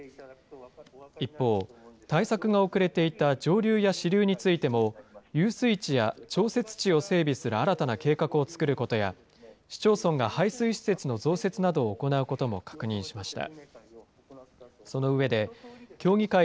一方、対策が遅れていた上流や支流についても、遊水池や調節池を整備する新たな計画を作ることや、市町村が排水施設の増設などを行うことも確認しました。